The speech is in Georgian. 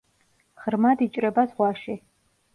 ღრმად იჭრება ზღვაში.